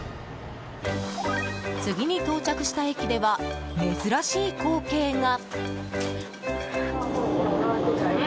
次に到着した駅では珍しい光景が。